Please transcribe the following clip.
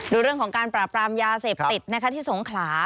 ดูเรื่องของการปราบรามยาเสพติดนะคะที่สงขลา